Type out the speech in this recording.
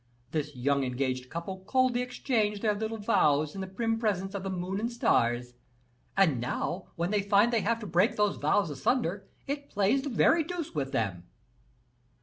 This young engaged couple coldly exchanged their little vows in the prim presence of the moon and stars; and now, when they find they have to break those vows asunder, it plays the very deuce with them."